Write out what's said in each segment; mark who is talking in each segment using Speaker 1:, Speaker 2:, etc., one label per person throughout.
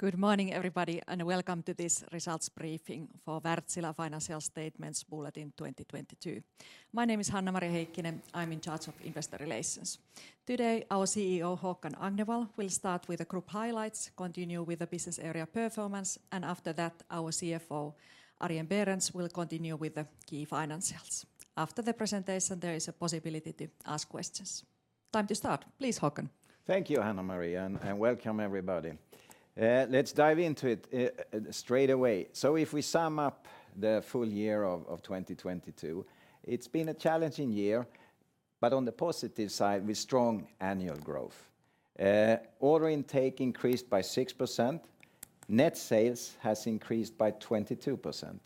Speaker 1: Good morning, everybody, and welcome to this results briefing for Wärtsilä Financial Statements Bulletin 2022. My name is Hanna-Maria Heikkinen. I'm in charge of investor relations. Today, our CEO, Håkan Agnevall, will start with the group highlights, continue with the business area performance, and after that, our CFO, Arjen Berends, will continue with the key financials. After the presentation, there is a possibility to ask questions. Time to start. Please, Håkan.
Speaker 2: Thank you, Hanna-Maria, and welcome, everybody. Let's dive into it straight away. If we sum up the full year of 2022, it's been a challenging year, but on the positive side, with strong annual growth. Order intake increased by 6%. Net sales has increased by 22%.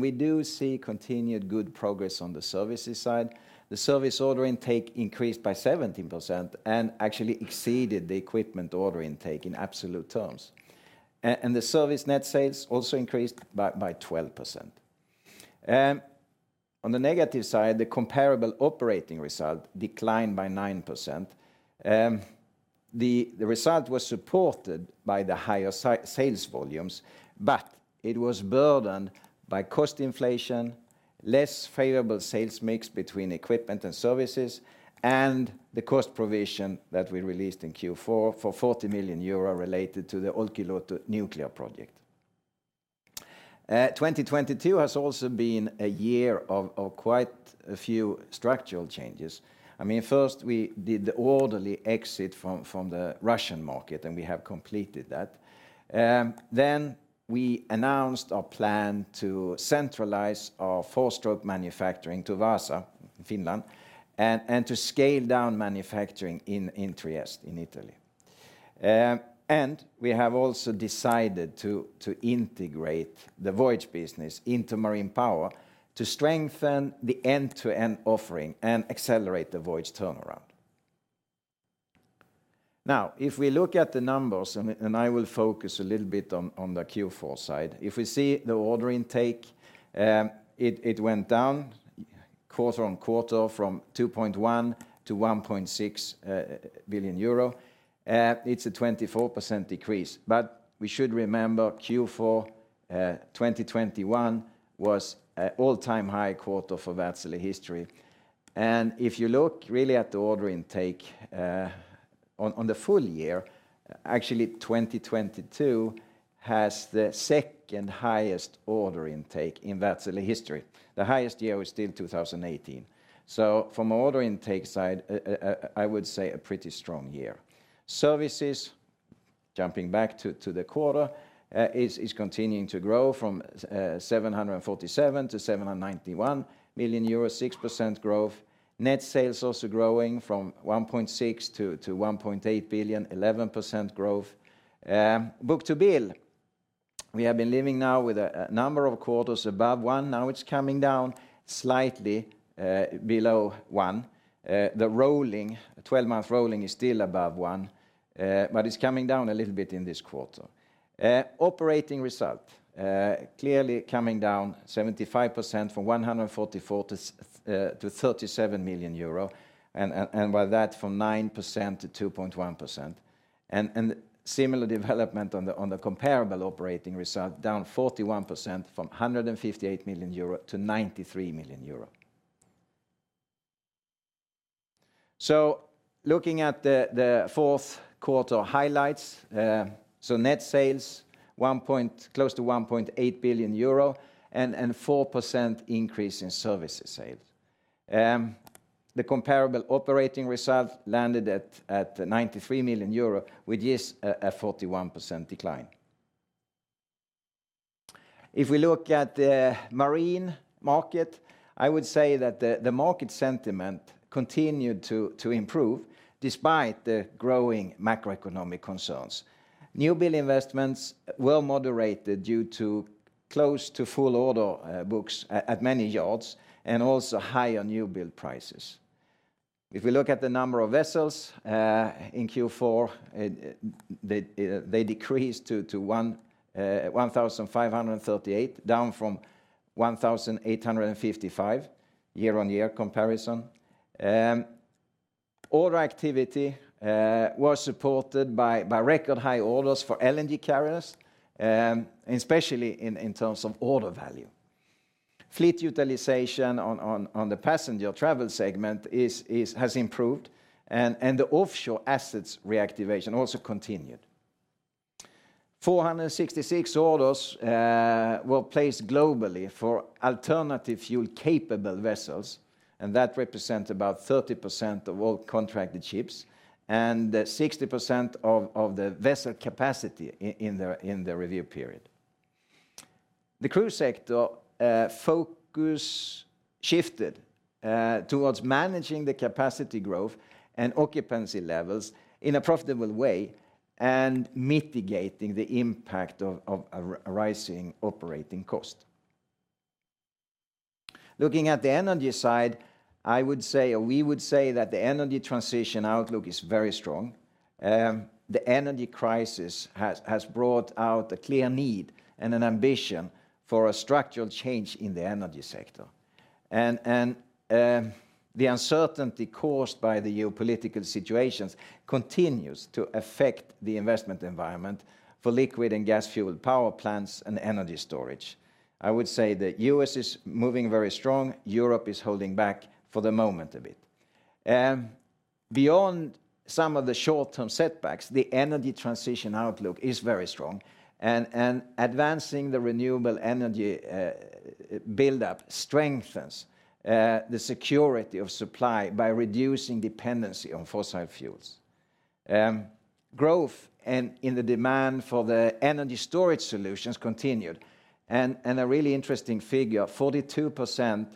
Speaker 2: We do see continued good progress on the services side. The service order intake increased by 17% and actually exceeded the equipment order intake in absolute terms. The service net sales also increased by 12%. On the negative side, the comparable operating result declined by 9%. The result was supported by the higher sales volumes, but it was burdened by cost inflation, less favorable sales mix between equipment and services, and the cost provision that we released in Q4 for 40 million euro related to the Olkiluoto nuclear project. 2022 has also been a year of quite a few structural changes. I mean, first, we did the orderly exit from the Russian market, and we have completed that. We announced our plan to centralize our four-stroke manufacturing to Vaasa, Finland, and to scale down manufacturing in Trieste in Italy. We have also decided to integrate the Voyage business into Marine Power to strengthen the end-to-end offering and accelerate the Voyage turnaround. Now, if we look at the numbers, and I will focus a little bit on the Q4 side. If we see the order intake, it went down quarter-on-quarter from 2.1 billion-1.6 billion euro. It's a 24% decrease. We should remember Q4 2021 was an all-time high quarter for Wärtsilä history. If you look really at the order intake on the full year, actually 2022 has the second-highest order intake in Wärtsilä history. The highest year was still 2018. From order intake side, I would say a pretty strong year. Services, jumping back to the quarter, is continuing to grow from 747 million euros to 791 million euros, 6% growth. Net sales also growing from 1.6 billion-1.8 billion, 11% growth. book-to-bill, we have been living now with a number of quarters above 1. It's coming down slightly below 1. The rolling, 12-month rolling is still above 1, but it's coming down a little bit in this quarter. Operating result, clearly coming down 75% from 144 million to 37 million euro, and by that from 9%-2.1%. Similar development on the comparable operating result, down 41% from 158 million euro to 93 million euro. Looking at the fourth quarter highlights, Net sales, close to 1.8 billion euro and 4% increase in services sales. The comparable operating result landed at 93 million euro, which is a 41% decline. If we look at the marine market, I would say that the market sentiment continued to improve despite the growing macroeconomic concerns. New build investments were moderated due to close to full order books at many yards and also higher new build prices. If we look at the number of vessels in Q4, they decreased to 1,538, down from 1,855 year-on-year comparison. Order activity was supported by record high orders for LNG carriers, especially in terms of order value. Fleet utilization on the passenger travel segment has improved and the offshore assets reactivation also continued. 466 orders were placed globally for alternative fuel-capable vessels. That represents about 30% of all contracted ships and 60% of the vessel capacity in the review period. The cruise sector focus shifted towards managing the capacity growth and occupancy levels in a profitable way and mitigating the impact of a rising operating cost. Looking at the energy side, I would say, or we would say that the energy transition outlook is very strong. The energy crisis has brought out a clear need and an ambition for a structural change in the energy sector. The uncertainty caused by the geopolitical situations continues to affect the investment environment for liquid and gas-fueled power plants and energy storage. I would say that U.S. is moving very strong, Europe is holding back for the moment a bit. Beyond some of the short-term setbacks, the energy transition outlook is very strong and advancing the renewable energy buildup strengthens the security of supply by reducing dependency on fossil fuels. Growth in the demand for the energy storage solutions continued. A really interesting figure, 42%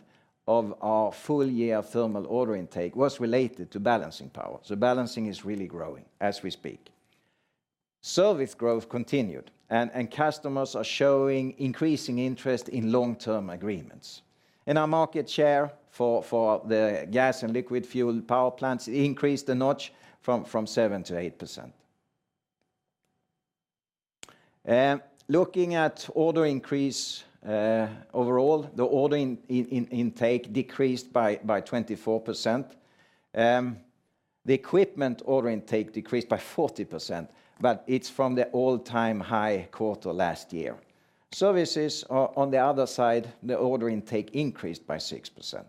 Speaker 2: of our full year thermal order intake was related to balancing power. Balancing is really growing as we speak. Service growth continued and customers are showing increasing interest in long-term agreements. Our market share for the gas and liquid fuel power plants increased a notch from 7%-8%. Looking at order increase, overall, the order intake decreased by 24%. The equipment order intake decreased by 40%, but it's from the all-time high quarter last year. Services are on the other side, the order intake increased by 6%.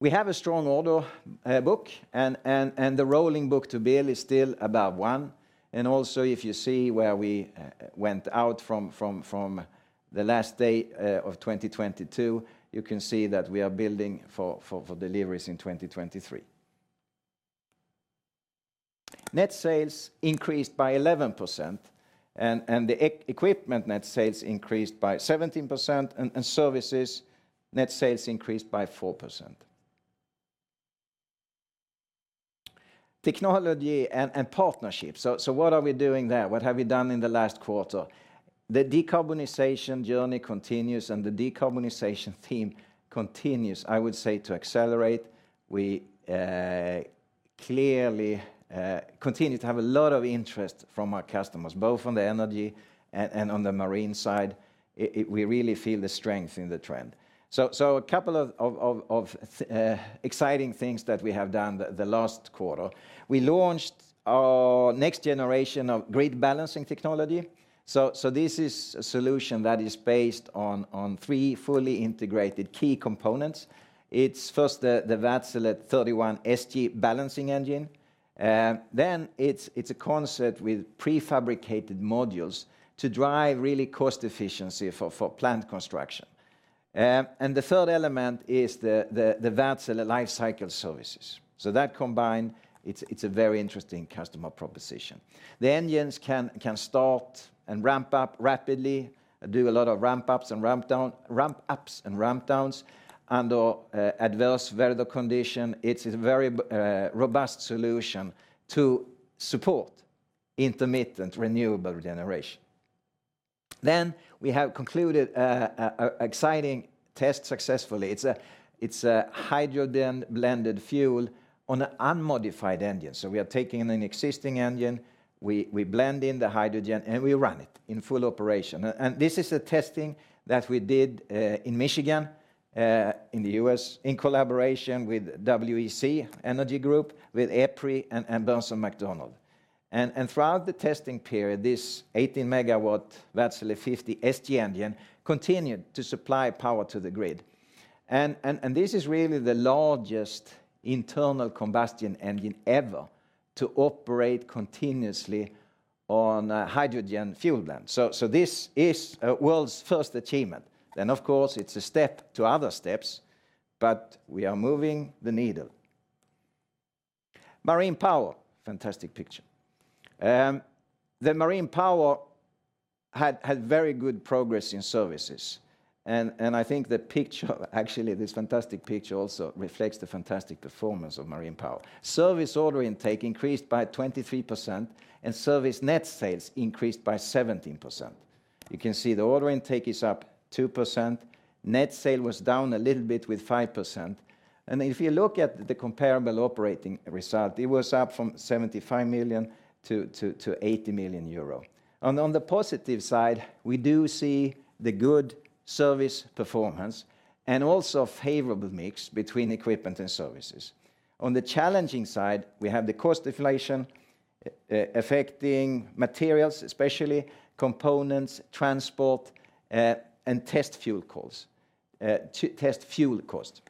Speaker 2: We have a strong order book and the rolling book-to-bill is still above 1. If you see where we went out from the last day of 2022, you can see that we are building for deliveries in 2023. Net sales increased by 11% and equipment net sales increased by 17% and services net sales increased by 4%. Technology and partnerships. What are we doing there? What have we done in the last quarter? The decarbonization journey continues, and the decarbonization theme continues, I would say, to accelerate. We clearly continue to have a lot of interest from our customers, both on the energy and on the marine side. We really feel the strength in the trend. A couple of exciting things that we have done the last quarter. We launched our next generation of grid balancing technology. This is a solution that is based on 3 fully integrated key components. It's first the Wärtsilä 31SG balancing engine. It's a concept with prefabricated modules to drive really cost efficiency for plant construction. The third element is the Wärtsilä Lifecycle services. That combined, it's a very interesting customer proposition. The engines can start and ramp up rapidly, do a lot of ramp ups and ramp downs under adverse weather condition. It's a very robust solution to support intermittent renewable generation. We have concluded a exciting test successfully. It's a hydrogen-blended fuel on an unmodified engine. We are taking an existing engine, we blend in the hydrogen, and we run it in full operation. And this is a testing that we did in Michigan, in the U.S., in collaboration with WEC Energy Group, with EPRI, and Burns & McDonnell. Throughout the testing period, this 18 MW Wärtsilä 50SG engine continued to supply power to the grid. This is really the largest internal combustion engine ever to operate continuously on a hydrogen fuel blend. This is a world's first achievement. Of course, it's a step to other steps, but we are moving the needle. Marine Power, fantastic picture. The Marine Power had very good progress in services. I think the picture, actually this fantastic picture also reflects the fantastic performance of Marine Power. Service order intake increased by 23%, and service net sales increased by 17%. You can see the order intake is up 2%. Net sale was down a little bit with 5%. If you look at the comparable operating result, it was up from 75 million to 80 million euro. On the positive side, we do see the good service performance and also favorable mix between equipment and services. On the challenging side, we have the cost deflation affecting materials, especially components, transport, and test fuel calls, test fuel cost.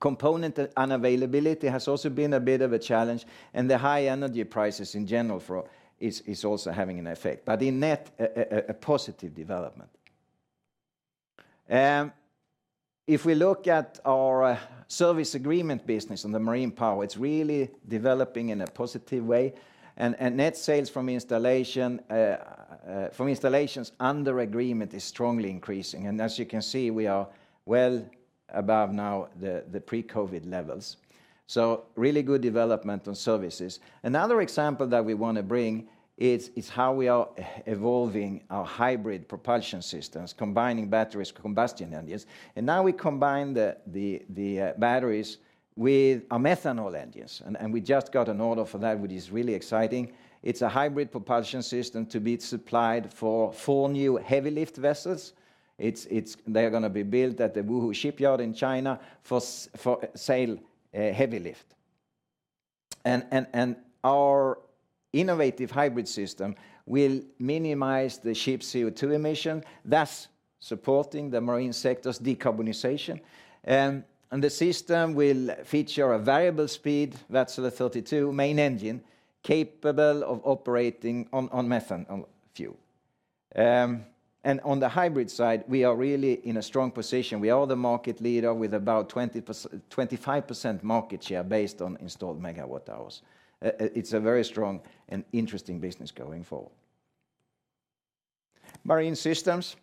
Speaker 2: Component unavailability has also been a bit of a challenge. The high energy prices in general for all is also having an effect, but in net a positive development. If we look at our service agreement business on the Marine Power, it's really developing in a positive way, and net sales from installations under agreement is strongly increasing. As you can see, we are well above now the pre-COVID levels. Really good development on services. Another example that we want to bring is how we are evolving our hybrid propulsion systems, combining batteries, combustion engines. Now we combine the batteries with our methanol engines. We just got an order for that, which is really exciting. It's a hybrid propulsion system to be supplied for 4 new heavy lift vessels. It's, they're gonna be built at the Wuhu Shipyard in China for SAL Heavy Lift. Our innovative hybrid system will minimize the ship's CO2 emission, thus supporting the marine sector's decarbonization. The system will feature a variable speed, Wärtsilä 32 main engine, capable of operating on methanol fuel. On the hybrid side, we are really in a strong position. We are the market leader with about 25% market share based on installed MW hours. It's a very strong and interesting business going forward. Marine systems.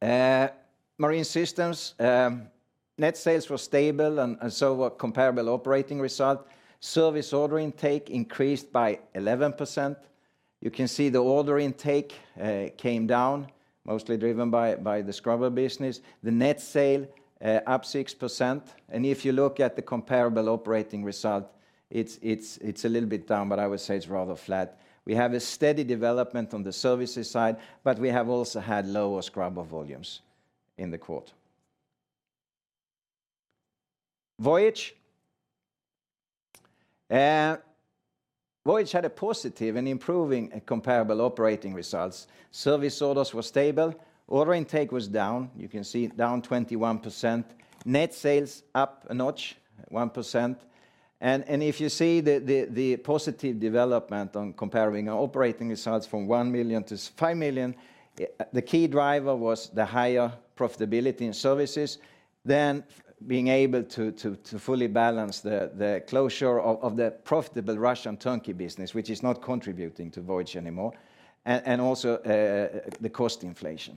Speaker 2: Marine systems, net sales were stable and so were comparable operating result. Service order intake increased by 11%. You can see the order intake came down, mostly driven by the scrubber business. The net sale up 6%. If you look at the comparable operating result, it's a little bit down, but I would say it's rather flat. We have a steady development on the services side, but we have also had lower scrubber volumes in the quarter. Voyage. Voyage had a positive and improving comparable operating results. Service orders were stable. Order intake was down. You can see it down 21%. Net sales up a notch, 1%. If you see the positive development on comparing our operating results from 1 million to 5 million, the key driver was the higher profitability in services, then being able to fully balance the closure of the profitable Russian turnkey business, which is not contributing to Voyage anymore, and also the cost inflation.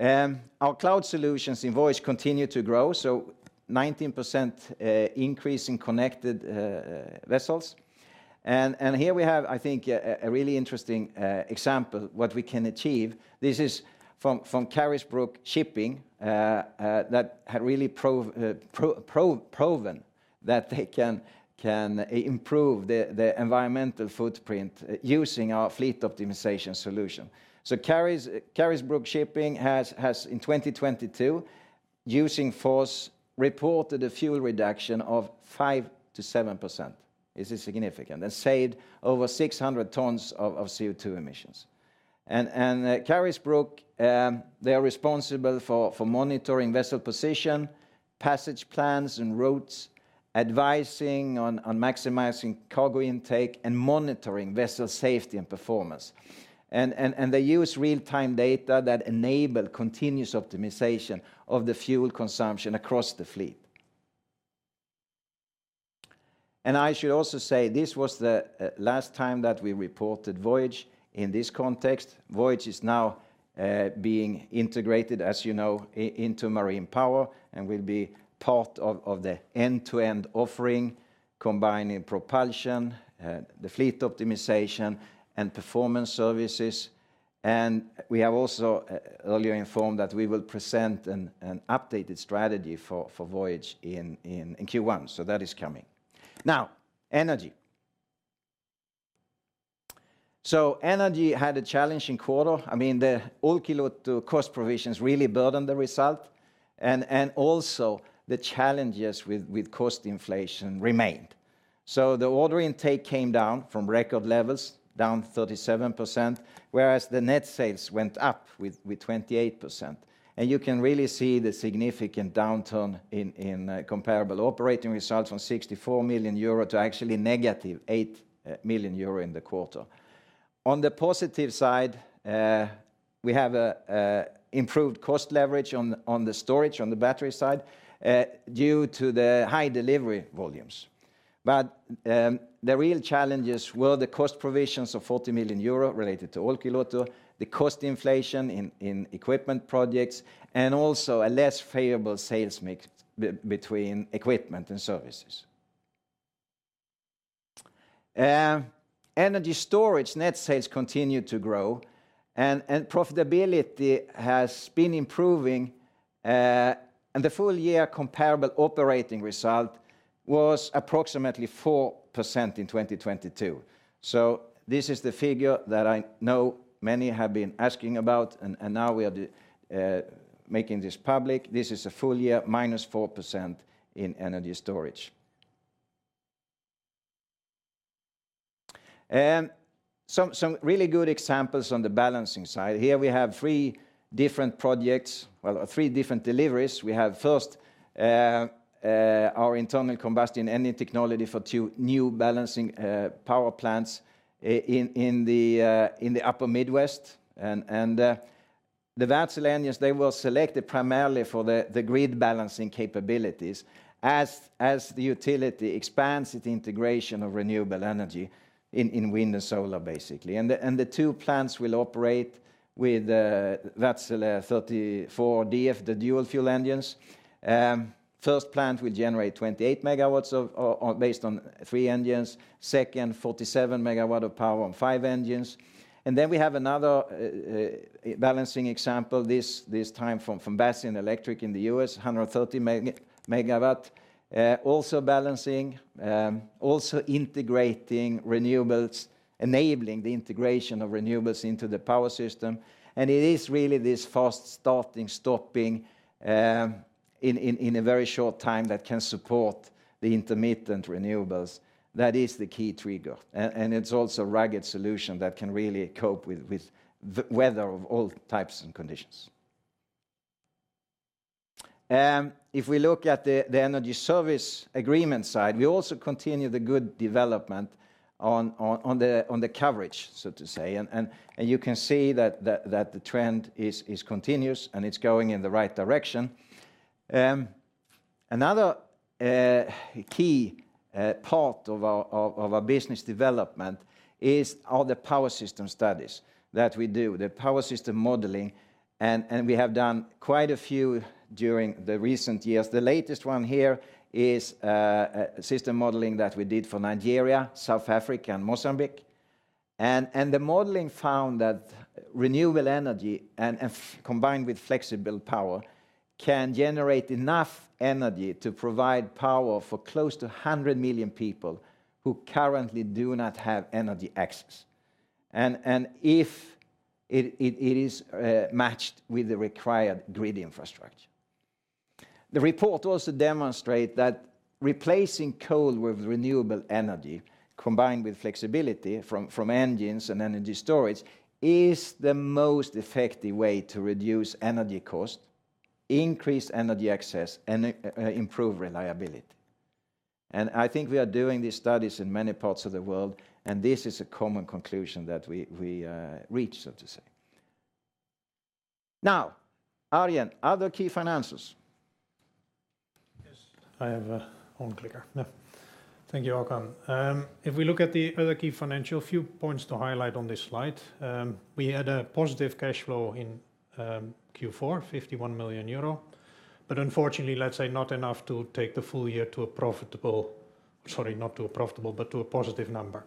Speaker 2: Our cloud solutions in Voyage continue to grow, 19% increase in connected vessels. Here we have, I think a really interesting example what we can achieve. This is from Carisbrook Shipping that had really proven that they can improve the environmental footprint using our Fleet Optimisation Solution. Carisbrook Shipping has in 2022, using FORS, reported a fuel reduction of 5%-7%. This is significant, and saved over 600 tons of CO2 emissions. Carisbrook, they are responsible for monitoring vessel position, passage plans and routes, advising on maximizing cargo intake, and monitoring vessel safety and performance. They use real-time data that enable continuous optimization of the fuel consumption across the fleet. I should also say this was the last time that we reported Voyage in this context. Voyage is now being integrated, as you know, into Marine Power and will be part of the end-to-end offering, combining propulsion, the fleet optimization, and performance services. We have also earlier informed that we will present an updated strategy for Voyage in Q1, that is coming. Energy. Energy had a challenging quarter. I mean, the Olkiluoto cost provisions really burden the result, and also the challenges with cost inflation remained. The order intake came down from record levels, down 37%, whereas the net sales went up with 28%. You can really see the significant downturn in comparable operating results from 64 million euro to actually negative 8 million euro in the quarter. On the positive side, we have a improved cost leverage on the storage, on the battery side, due to the high delivery volumes. The real challenges were the cost provisions of 40 million euro related to Olkiluoto, the cost inflation in equipment projects, and also a less favorable sales mix between equipment and services. Energy storage net sales continued to grow, and profitability has been improving, and the full year comparable operating result was approximately 4% in 2022. This is the figure that I know many have been asking about, and now we are making this public. This is a full year, -4% in energy storage. Some really good examples on the balancing side. Here we have three different projects, well, three different deliveries. We have first, our internal combustion engine technology for 2 new balancing power plants in the upper Midwest. The Wärtsilä engines, they were selected primarily for the grid balancing capabilities. As the utility expands its integration of renewable energy in wind and solar, basically. The 2 plants will operate with Wärtsilä 34DF, the dual-fuel engines. First plant will generate 28 MWs based on 3 engines. Second, 47 MW of power on 5 engines. We have another balancing example, this time from Basin Electric in the U.S., 130 MW, also balancing, also integrating renewables, enabling the integration of renewables into the power system. It is really this fast starting, stopping, in a very short time that can support the intermittent renewables. That is the key trigger. It's also rugged solution that can really cope with weather of all types and conditions. If we look at the energy service agreement side, we also continue the good development on the coverage, so to say. You can see that the trend is continuous, and it's going in the right direction. Another key part of our business development is all the power system studies that we do, the power system modeling, and we have done quite a few during the recent years. The latest one here is a system modeling that we did for Nigeria, South Africa, and Mozambique. The modeling found that renewable energy combined with flexible power can generate enough energy to provide power for close to 100 million people who currently do not have energy access, if it is matched with the required grid infrastructure. The report also demonstrate that replacing coal with renewable energy, combined with flexibility from engines and energy storage, is the most effective way to reduce energy cost, increase energy access, and improve reliability. I think we are doing these studies in many parts of the world, and this is a common conclusion that we reach, so to say. Arjen, other key finances.
Speaker 3: Yes, I have a own clicker. Thank you, Håkan. If we look at the other key financial, few points to highlight on this slide. We had a positive cash flow in Q4, 51 million euro. Unfortunately, let's say, not enough to take the full year to a profitable, sorry, not to a profitable, but to a positive number.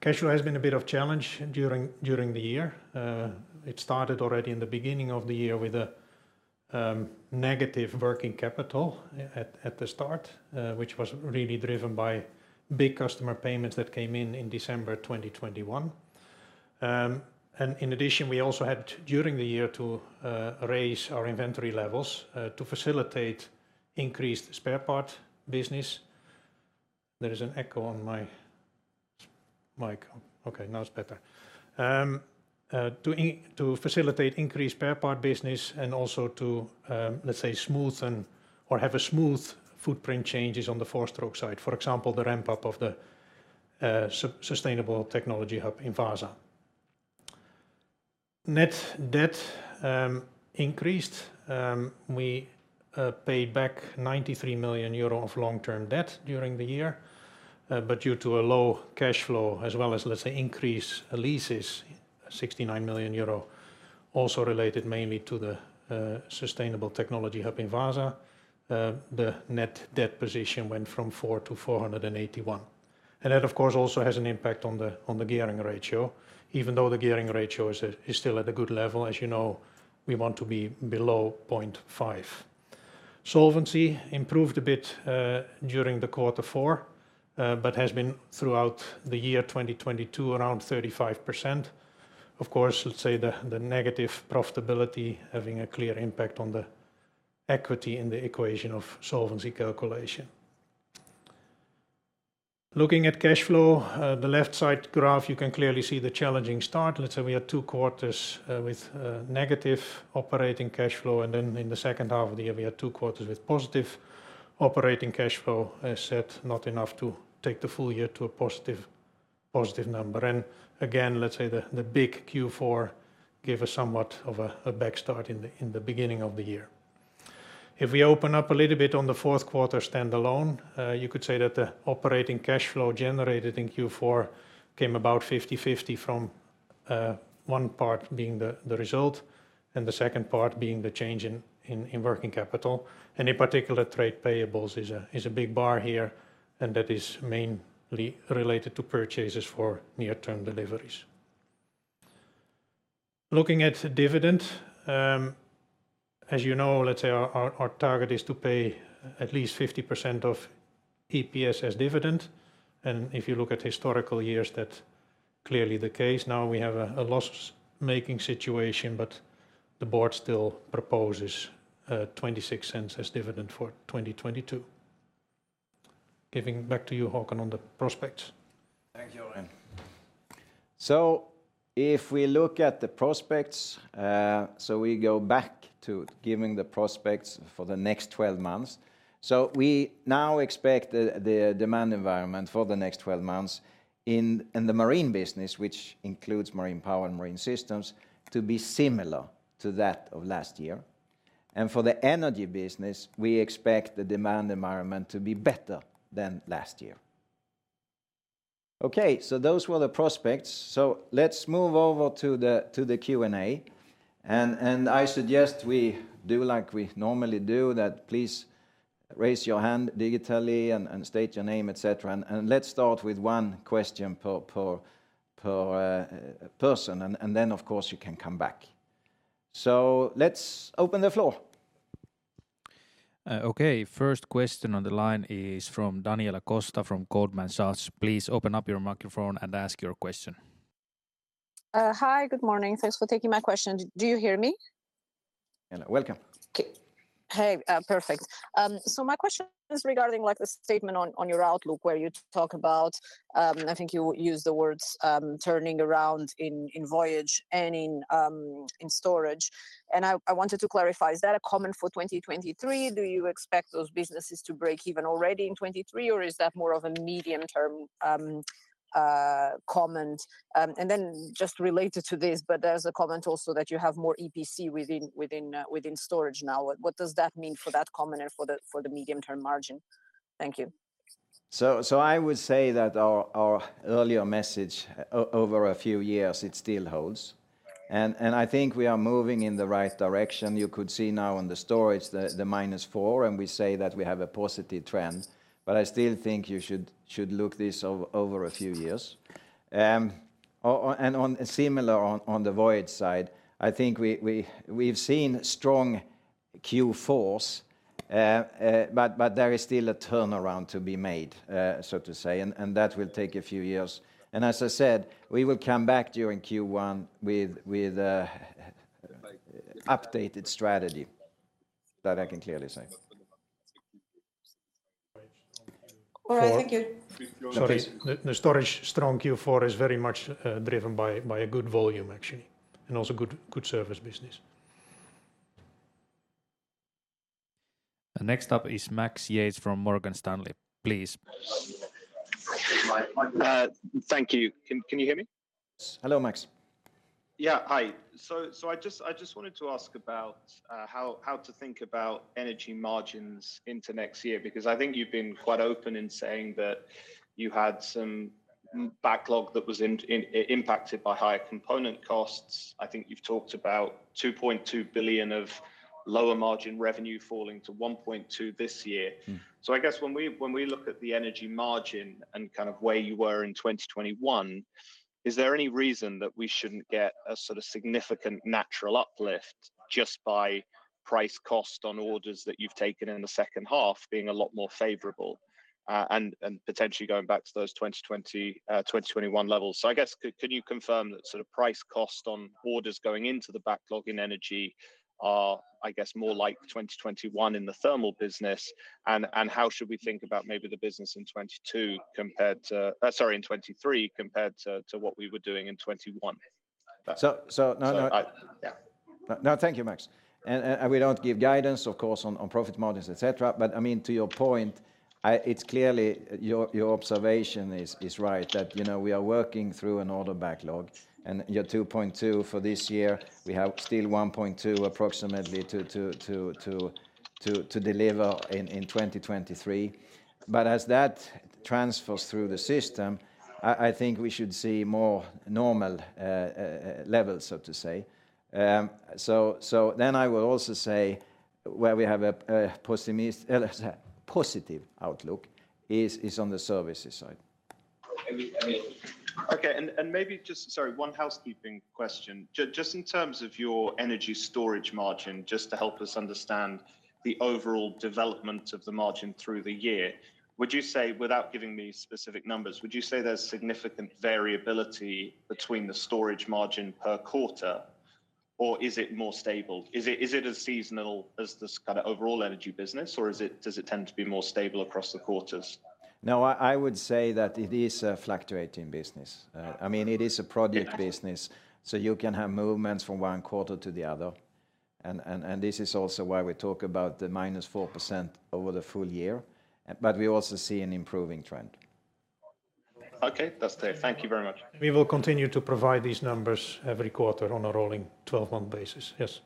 Speaker 3: Cash flow has been a bit of challenge during the year. It started already in the beginning of the year with a negative working capital at the start, which was really driven by big customer payments that came in in December 2021. In addition, we also had, during the year, to raise our inventory levels to facilitate increased spare part business. There is an echo on my mic. Okay, now it's better. To facilitate increased spare part business and also to, let's say, smoothen or have a smooth footprint changes on the four-stroke side. For example, the ramp-up of the sustainable technology hub in Vaasa. Net debt increased. We paid back 93 million euro of long-term debt during the year, but due to a low cash flow, as well as, let's say, increased leases, 69 million euro, also related mainly to the sustainable technology hub in Vaasa, the net debt position went from 4 million to 481 million. That, of course, also has an impact on the gearing ratio, even though the gearing ratio is still at a good level. As you know, we want to be below 0.5. Solvency improved a bit, during the quarter four, but has been throughout the year 2022, around 35%. Of course, let's say the negative profitability having a clear impact on the equity in the equation of solvency calculation. Looking at cash flow, the left side graph, you can clearly see the challenging start. Let's say we had 2 quarters, with negative operating cash flow, and then in the second half of the year, we had 2 quarters with positive operating cash flow. As said, not enough to take the full year to a positive number. Again, let's say the big Q4 gave us somewhat of a back start in the, in the beginning of the year. If we open up a little bit on the fourth quarter standalone, you could say that the operating cash flow generated in Q4 came about 50/50 from one part being the result, and the second part being the change in working capital. In particular, trade payables is a big bar here, and that is mainly related to purchases for near-term deliveries. Looking at dividend, as you know, our target is to pay at least 50% of EPS as dividend. If you look at historical years, that's clearly the case. Now we have a loss making situation, but the board still proposes 0.26 as dividend for 2022. Giving back to you, Håkan, on the prospects.
Speaker 2: Thank you, Arjen. If we look at the prospects, so we go back to giving the prospects for the next 12 months. We now expect the demand environment for the next 12 months in the Marine Power and marine systems, to be similar to that of last year. For the Energy business, we expect the demand environment to be better than last year. Okay, those were the prospects. Let's move over to the Q&A. I suggest we do like we normally do, that please raise your hand digitally and state your name, et cetera. Let's start with one question per person and then, of course, you can come back. Let's open the floor.
Speaker 4: Okay. First question on the line is from Daniela Costa from Goldman Sachs. Please open up your microphone and ask your question.
Speaker 5: Hi. Good morning. Thanks for taking my question. Do you hear me?
Speaker 2: Hola. Welcome.
Speaker 5: Okay. Hey, perfect. My question is regarding, like, the statement on your outlook where you talk about, I think you used the words, turning around in Voyage and in storage, and I wanted to clarify. Is that a comment for 2023? Do you expect those businesses to break even already in 2023, or is that more of a medium term comment? Just related to this, but there's a comment also that you have more EPC within storage now. What does that mean for that comment and for the medium term margin? Thank you.
Speaker 2: I would say that our earlier message over a few years, it still holds. I think we are moving in the right direction. You could see now in the storage the -4, and we say that we have a positive trend. I still think you should look this over a few years. Similar on the Voyage side, I think we've seen strong Q4s, but there is still a turnaround to be made, so to say, and that will take a few years. As I said, we will come back during Q1 with updated strategy. That I can clearly say.
Speaker 5: All right. Thank you.
Speaker 2: Sorry.
Speaker 3: The storage strong Q4 is very much driven by a good volume actually, and also good service business.
Speaker 4: Next up is Max Yates from Morgan Stanley. Please.
Speaker 6: Thank you. Can you hear me?
Speaker 2: Yes. Hello, Max.
Speaker 6: Yeah. Hi. I just wanted to ask about how to think about energy margins into next year, because I think you've been quite open in saying that you had some backlog that was impacted by higher component costs. I think you've talked about 2.2 billion of lower margin revenue falling to 1.2 billion this year.
Speaker 2: Mm.
Speaker 6: I guess when we look at the energy margin and kind of where you were in 2021, is there any reason that we shouldn't get a sort of significant natural uplift just by price cost on orders that you've taken in the second half being a lot more favorable, and potentially going back to those 2020, 2021 levels? I guess can you confirm that sort of price cost on orders going into the backlog in energy are, I guess, more like 2021 in the thermal business, and how should we think about maybe the business in 2022 compared to... sorry, in 2023 compared to what we were doing in 2021?
Speaker 2: No.
Speaker 6: Yeah.
Speaker 2: No, thank you, Max. We don't give guidance, of course, on profit margins, et cetera. I mean, to your point, it's clearly your observation is right that, you know, we are working through an order backlog, and 2.2 for this year, we have still 1.2 approximately to deliver in 2023. As that transfers through the system, I think we should see more normal levels, so to say. I will also say where we have a positive outlook is on the services side.
Speaker 6: Let me. Okay. Maybe just, sorry, one housekeeping question. Just in terms of your energy storage margin, to help us understand the overall development of the margin through the year, would you say, without giving me specific numbers, would you say there's significant variability between the storage margin per quarter, or is it more stable? Is it as seasonal as this kind of overall energy business, or does it tend to be more stable across the quarters?
Speaker 2: No, I would say that it is a fluctuating business. I mean, it is a project business.
Speaker 6: Okay.
Speaker 2: You can have movements from one quarter to the other. This is also why we talk about the -4% over the full year, but we also see an improving trend.
Speaker 6: Okay. That's clear. Thank you very much.
Speaker 3: We will continue to provide these numbers every quarter on a rolling 12-month basis. Yes.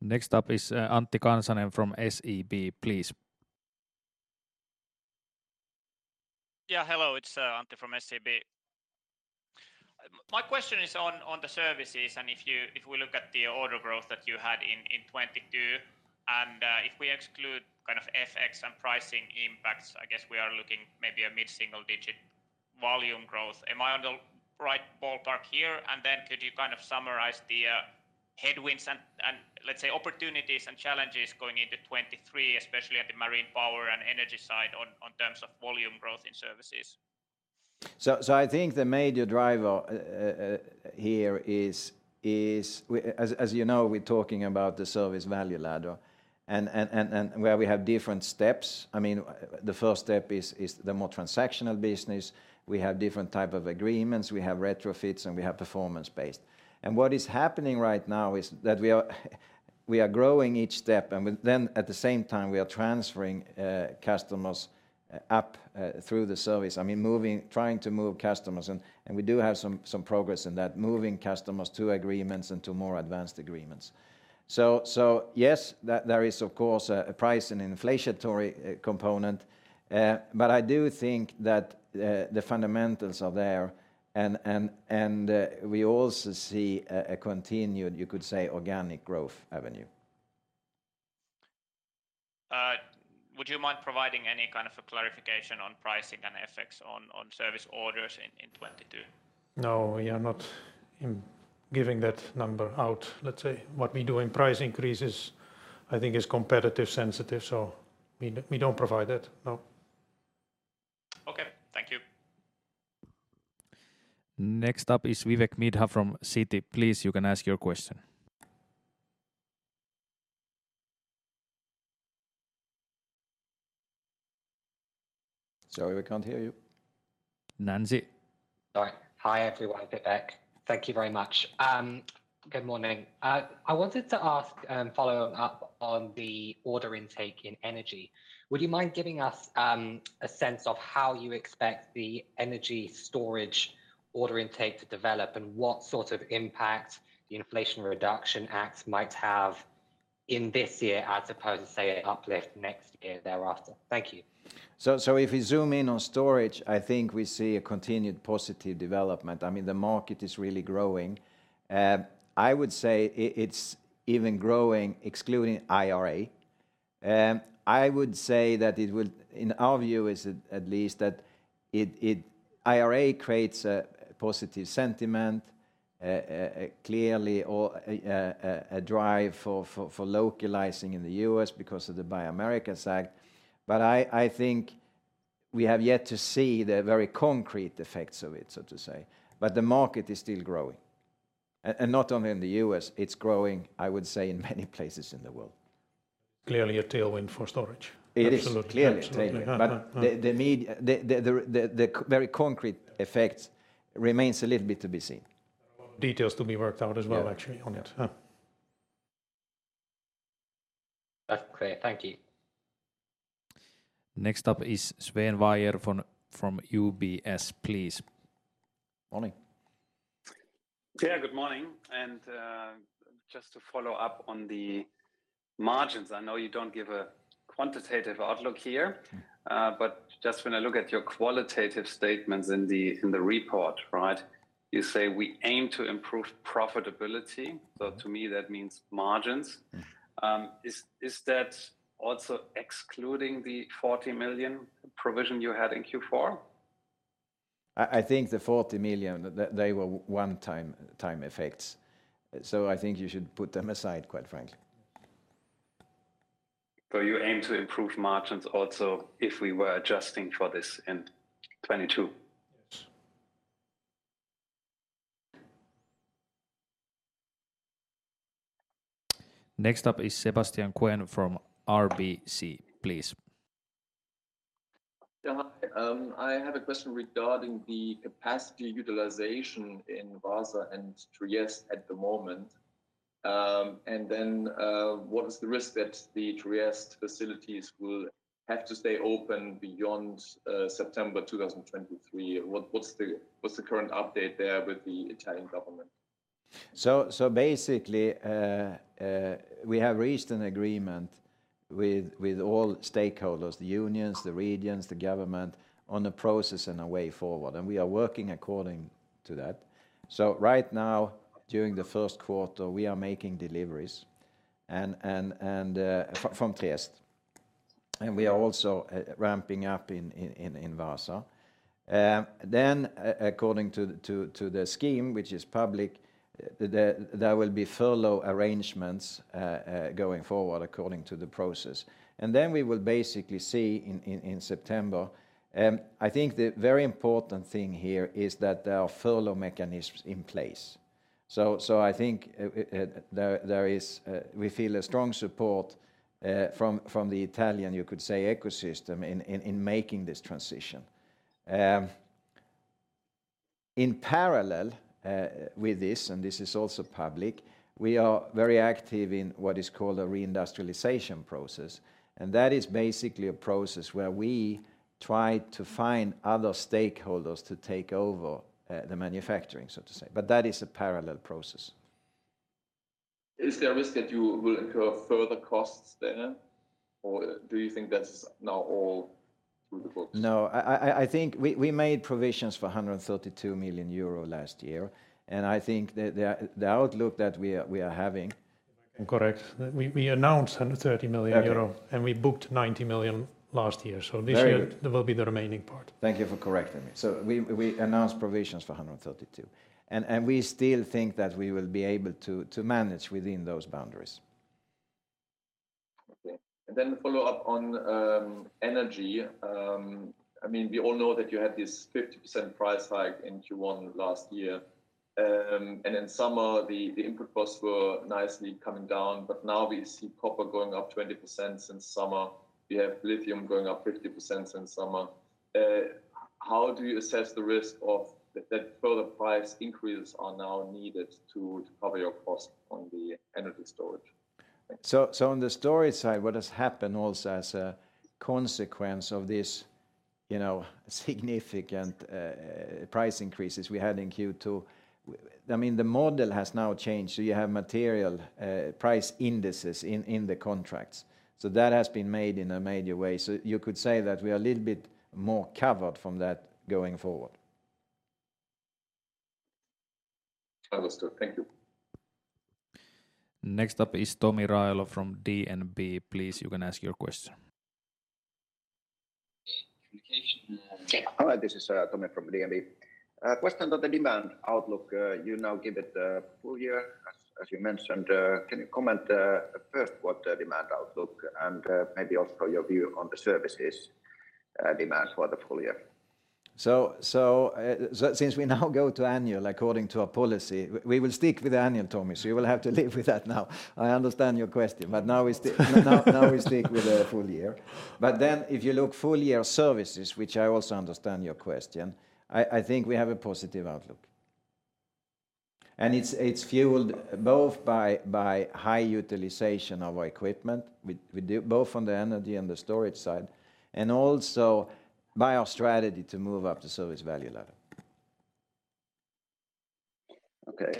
Speaker 4: Next up is Antti Kansanen from SEB, please.
Speaker 7: Yeah. Hello. It's Antti Kansanen from SEB. My question is on the services, and if you, if we look at the order growth that you had in 2022, and if we exclude kind of FX and pricing impacts, I guess we are looking maybe a mid-single digit volume growth. Am I on the right ballpark here? Then could you kind of summarize the headwinds and let's say opportunities and challenges going into 2023, especially at the Marine Power and energy side on terms of volume growth in services?
Speaker 2: I think the major driver here is as you know, we're talking about the service value ladder and where we have different steps. I mean, the first step is the more transactional business. We have different type of agreements. We have retrofits, and we have performance-based. What is happening right now is that we are growing each step, then at the same time, we are transferring customers up through the service. I mean, trying to move customers and we do have some progress in that. Moving customers to agreements and to more advanced agreements. Yes, there is of course a price and an inflationary component. I do think that the fundamentals are there and we also see a continued, you could say, organic growth avenue.
Speaker 7: Would you mind providing any kind of a clarification on pricing and effects on service orders in 2022?
Speaker 3: No, we are not giving that number out, let's say. What we do in price increases, I think is competitive sensitive, so we don't provide that. No.
Speaker 7: Okay, thank you.
Speaker 4: Next up is Vivek Midha from Citi. Please, you can ask your question.
Speaker 2: Sorry, we can't hear you.
Speaker 4: Nancy?
Speaker 8: Sorry. Hi, everyone. Vivek. Thank you very much. Good morning. I wanted to ask, following up on the order intake in energy. Would you mind giving us a sense of how you expect the energy storage order intake to develop, and what sort of impact the Inflation Reduction Act might have in this year, as opposed to, say, an uplift next year thereafter? Thank you.
Speaker 2: If we zoom in on storage, I think we see a continued positive development. I mean, the market is really growing. I would say it's even growing excluding IRA. I would say that in our view is at least that IRA creates a positive sentiment, clearly, or a drive for localizing in the U.S. because of the Buy America Act. I think we have yet to see the very concrete effects of it, so to say. The market is still growing. Not only in the U.S., it's growing, I would say, in many places in the world.
Speaker 3: Clearly a tailwind for storage.
Speaker 2: It is.
Speaker 3: Absolutely.
Speaker 2: Clearly a tailwind.
Speaker 3: Absolutely.
Speaker 2: The very concrete effects remains a little bit to be seen.
Speaker 3: Details to be worked out as well, actually, on it.
Speaker 8: That's great. Thank you.
Speaker 4: Next up is Sven Weier from UBS, please. Morning.
Speaker 9: Yeah, good morning. Just to follow up on the margins. I know you don't give a quantitative outlook here, but just when I look at your qualitative statements in the report, right? You say, "We aim to improve profitability." To me, that means margins. Is that also excluding the 40 million provision you had in Q4?
Speaker 2: I think the 40 million, they were one-time effects. I think you should put them aside, quite frankly.
Speaker 9: You aim to improve margins also if we were adjusting for this in 2022?
Speaker 2: Yes.
Speaker 4: Next up is Sebastian Kuenne from RBC, please.
Speaker 10: Yeah. Hi. I have a question regarding the capacity utilization in Vaasa and Trieste at the moment. What is the risk that the Trieste facilities will have to stay open beyond September 2023? What's the current update there with the Italian government?
Speaker 2: Basically, we have reached an agreement with all stakeholders, the unions, the regions, the government, on the process and a way forward, and we are working according to that. Right now, during the first quarter, we are making deliveries and from Trieste. We are also ramping up in Vaasa. Then according to the scheme, which is public, there will be furlough arrangements going forward according to the process. Then we will basically see in September, I think the very important thing here is that there are furlough mechanisms in place. I think there is, we feel a strong support from the Italian, you could say, ecosystem in making this transition. In parallel, with this, and this is also public, we are very active in what is called a reindustrialization process, and that is basically a process where we try to find other stakeholders to take over the manufacturing, so to say. That is a parallel process.
Speaker 10: Is there a risk that you will incur further costs there? Do you think that is now all through the books?
Speaker 2: No, I think we made provisions for 132 million euro last year, and I think the outlook that we are having.
Speaker 3: If I can correct, we announced 130 million euro.
Speaker 10: Okay.
Speaker 3: We booked 90 million last year.
Speaker 2: Very good.
Speaker 3: This year there will be the remaining part.
Speaker 2: Thank you for correcting me. We announced provisions for 132, and we still think that we will be able to manage within those boundaries.
Speaker 10: Okay. To follow up on energy. I mean, we all know that you had this 50% price hike in Q1 last year. In summer, the input costs were nicely coming down, but now we see copper going up 20% since summer. We have lithium going up 50% since summer. How do you assess the risk of that further price increase are now needed to cover your cost on the energy storage?
Speaker 2: On the storage side, what has happened also as a consequence of this, you know, significant price increases we had in Q2, I mean, the model has now changed, you have material price indices in the contracts. That has been made in a major way. You could say that we are a little bit more covered from that going forward.
Speaker 10: Understood. Thank you.
Speaker 4: Next up is Tomi Railo from DNB. Please, you can ask your question.
Speaker 11: Communication.
Speaker 12: Yeah.
Speaker 11: Hi, this is Tomi from DNB. Question on the demand outlook. You now give it a full year, as you mentioned. Can you comment, first what demand outlook and maybe also your view on the services demand for the full year?
Speaker 2: Since we now go to annual according to our policy, we will stick with the annual, Tomi, you will have to live with that now. I understand your question. Now we stick with the full year. If you look full year services, which I also understand your question, I think we have a positive outlook. It's fueled both by high utilization of our equipment with both on the energy and the storage side, and also by our strategy to move up the service value ladder.
Speaker 11: Okay.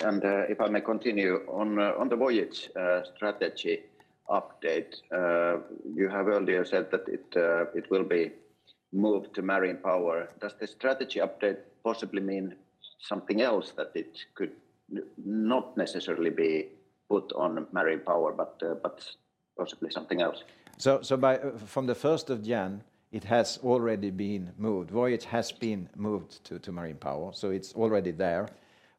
Speaker 11: If I may continue, on the Voyage strategy update, you have earlier said that it will be moved to Marine Power. Does the strategy update possibly mean something else that it could not necessarily be put on Marine Power, but possibly something else?
Speaker 2: By from the 1st of January, it has already been moved. Voyage has been moved to Marine Power, so it's already there.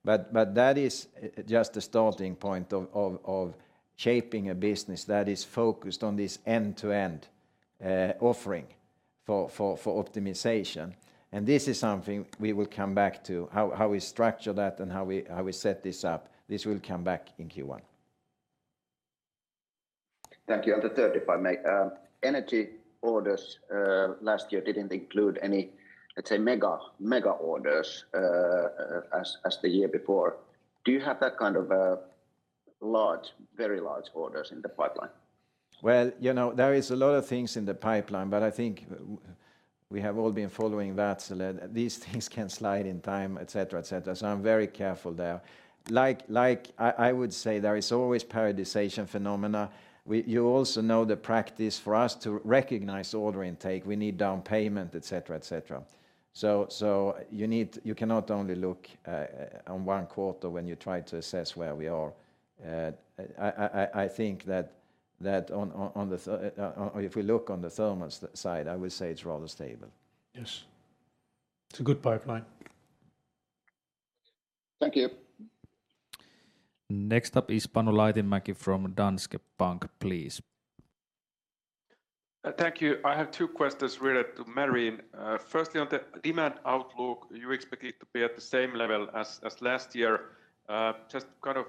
Speaker 2: That is just the starting point of shaping a business that is focused on this end-to-end offering for optimization. This is something we will come back to, how we structure that and how we set this up. This will come back in Q1.
Speaker 11: Thank you. The third, if I may. Energy orders last year didn't include any, let's say, mega orders, as the year before. Do you have that kind of, large, very large orders in the pipeline?
Speaker 2: Well, you know, there is a lot of things in the pipeline. I think we have all been following that. That these things can slide in time, et cetera, et cetera. I'm very careful there. Like I would say there is always periodization phenomena. You also know the practice for us to recognize order intake, we need down payment, et cetera, et cetera. You need. You cannot only look on one quarter when you try to assess where we are. I think that on or if we look on the thermal side, I would say it's rather stable.
Speaker 3: Yes. It's a good pipeline.
Speaker 11: Thank you.
Speaker 4: Next up is Panu Laitinmäki from Danske Bank, please.
Speaker 12: Thank you. I have two questions related to Marine. Firstly, on the demand outlook, you expect it to be at the same level as last year. Just kind of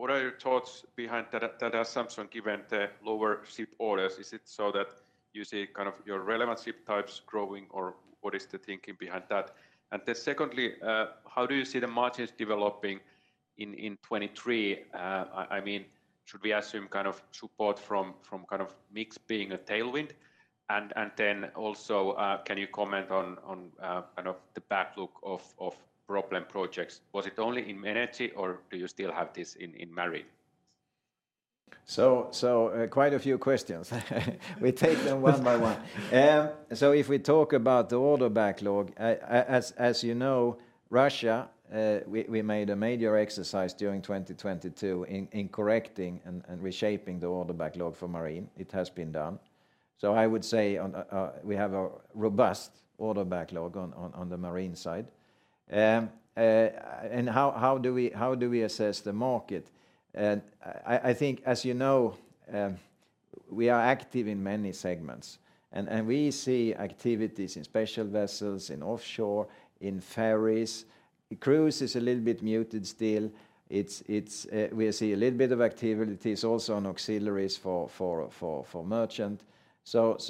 Speaker 12: what are your thoughts behind that assumption given the lower ship orders? Is it so that you see kind of your relevant ship types growing, or what is the thinking behind that? Secondly, how do you see the margins developing in 2023? I mean, should we assume kind of support from kind of mix being a tailwind? Also, can you comment on kind of the backlook of problem projects? Was it only in Energy, or do you still have this in Marine?
Speaker 2: Quite a few questions. We take them one by one. If we talk about the order backlog, as you know, Russia, we made a major exercise during 2022 in correcting and reshaping the order backlog for Marine. It has been done. I would say we have a robust order backlog on the Marine side. How do we assess the market? I think as you know, we are active in many segments and we see activities in special vessels, in offshore, in ferries. Cruise is a little bit muted still. It's, we see a little bit of activities also on auxiliaries for merchant. Yes,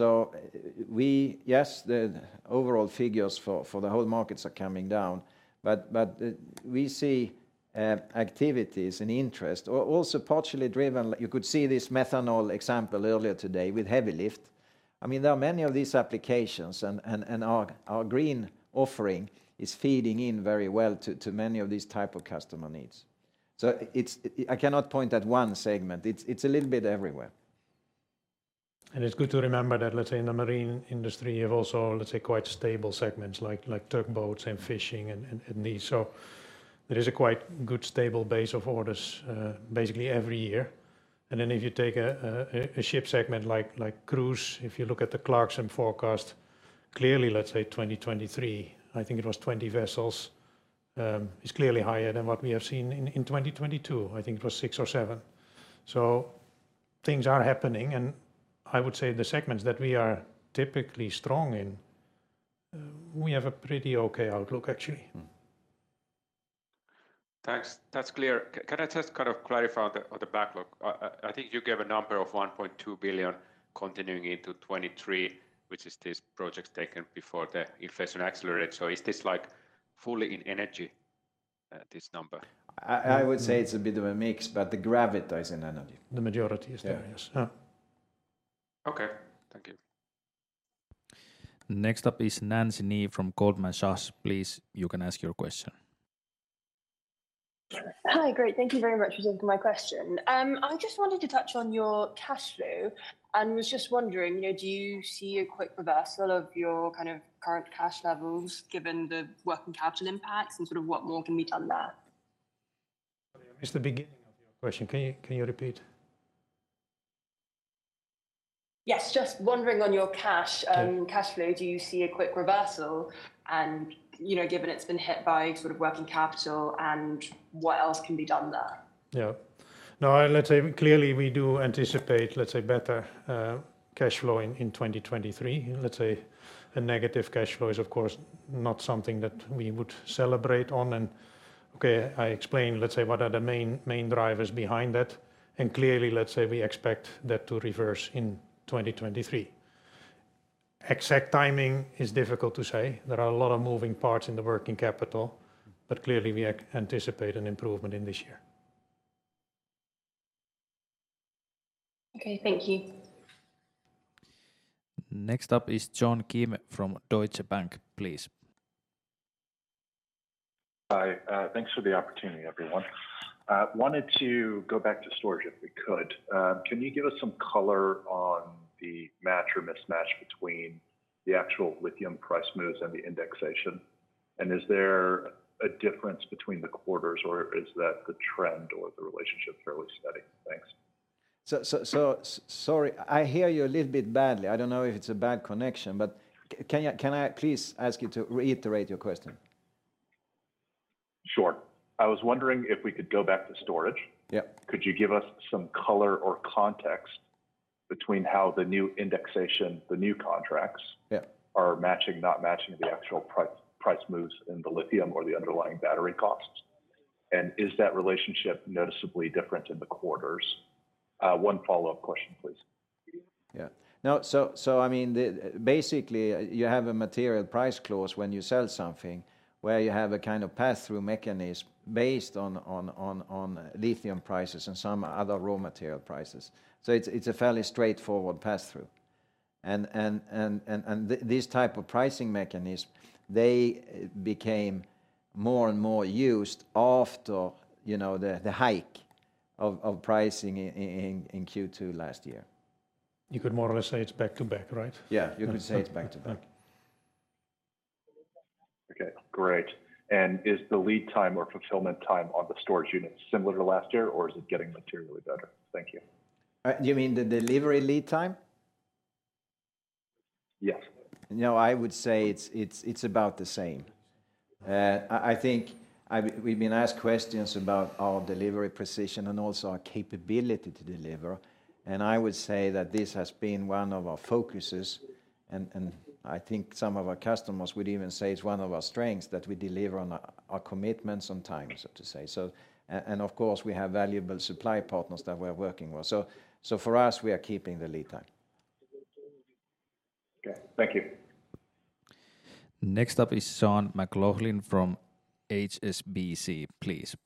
Speaker 2: the overall figures for the whole markets are coming down. We see activities and interest, also partially driven. You could see this methanol example earlier today with heavy lift. I mean, there are many of these applications and our green offering is feeding in very well to many of these type of customer needs. I cannot point at one segment. It's a little bit everywhere.
Speaker 3: It's good to remember that, in the marine industry, you have also quite stable segments like tugboats and fishing and these. There is a quite good stable base of orders, basically every year. If you take a ship segment like cruise, if you look at the Clarksons forecast, clearly, 2023, I think it was 20 vessels, is clearly higher than what we have seen in 2022. I think it was 6 or 7. Things are happening, and I would say the segments that we are typically strong in, we have a pretty okay outlook actually.
Speaker 12: Thanks. That's clear. Can I just kind of clarify on the backlog? I think you gave a number of 1.2 billion continuing into 2023, which is these projects taken before the inflation accelerated. Is this, like, fully in energy, this number?
Speaker 2: I would say it's a bit of a mix, but the gravity is in energy.
Speaker 3: The majority is there, yes. Yeah.
Speaker 12: Okay. Thank you.
Speaker 4: Next up is Nancy Ni from Goldman Sachs. Please, you can ask your question.
Speaker 13: Hi. Great. Thank you very much for taking my question. I just wanted to touch on your cash flow and was just wondering, you know, do you see a quick reversal of your kind of current cash levels given the working capital impacts, and sort of what more can be done there?
Speaker 3: I missed the beginning of your question. Can you repeat?
Speaker 13: Yes. Just wondering on your cash,
Speaker 3: Yeah...
Speaker 13: cash flow, do you see a quick reversal? You know, given it's been hit by sort of working capital, and what else can be done there?
Speaker 3: Yeah. No, let's say clearly we do anticipate, let's say, better cash flow in 2023. Let's say a negative cash flow is, of course, not something that we would celebrate on. Okay, I explained, let's say what are the main drivers behind that, and clearly, let's say we expect that to reverse in 2023. Exact timing is difficult to say. There are a lot of moving parts in the working capital, but clearly we anticipate an improvement in this year.
Speaker 13: Okay, thank you.
Speaker 4: Next up is John Kim from Deutsche Bank, please.
Speaker 14: Hi. Thanks for the opportunity, everyone. Wanted to go back to storage, if we could. Can you give us some color on the match or mismatch between the actual lithium price moves and the indexation? Is there a difference between the quarters, or is that the trend or the relationship fairly steady? Thanks.
Speaker 2: Sorry, I hear you a little bit badly. I don't know if it's a bad connection, but can I please ask you to reiterate your question?
Speaker 14: Sure. I was wondering if we could go back to storage.
Speaker 2: Yeah.
Speaker 14: Could you give us some color or context between how the new indexation, the new contracts-
Speaker 2: Yeah...
Speaker 14: are matching, not matching the actual price moves in the lithium or the underlying battery costs? Is that relationship noticeably different in the quarters? One follow-up question, please.
Speaker 2: Yeah. No. I mean, basically you have a material price clause when you sell something where you have a kind of pass-through mechanism based on lithium prices and some other raw material prices. It's a fairly straightforward pass-through, and these type of pricing mechanism, they became more and more used after, you know, the hike of pricing in Q2 last year.
Speaker 3: You could more or less say it's back to back, right?
Speaker 2: Yeah, you could say it's back to back.
Speaker 3: Okay.
Speaker 14: Okay, great. Is the lead time or fulfillment time on the storage units similar to last year, or is it getting materially better? Thank you.
Speaker 2: Do you mean the delivery lead time?
Speaker 14: Yes.
Speaker 2: No, I would say it's about the same. I think we've been asked questions about our delivery precision and also our capability to deliver, and I would say that this has been one of our focuses, and I think some of our customers would even say it's one of our strengths that we deliver on our commitments on time, so to say. Of course we have valuable supply partners that we're working with. For us, we are keeping the lead time.
Speaker 14: Okay. Thank you.
Speaker 4: Next up is Sean McLoughlin from HSBC, please.